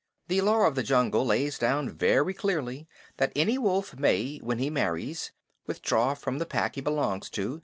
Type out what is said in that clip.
The Law of the Jungle lays down very clearly that any wolf may, when he marries, withdraw from the Pack he belongs to.